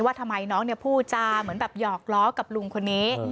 ว่าทำไมน้องพูดจาเหมือนแบบหยอกล้อกับลุงคนนี้